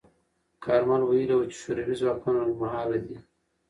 کارمل ویلي و چې شوروي ځواکونه لنډمهاله دي.